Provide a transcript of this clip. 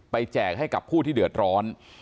แจกให้กับผู้ที่เดือดร้อน